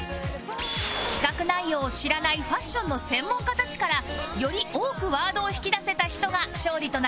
企画内容を知らないファッションの専門家たちからより多くワードを引き出せた人が勝利となります